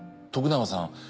徳永さん